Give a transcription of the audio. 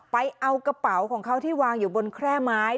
ไปเอากระเป๋าของเขาที่วางอยู่บนแคร่ไม้